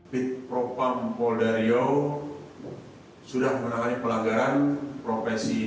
bit propampol dari riau sudah menggunakan pelanggaran profesi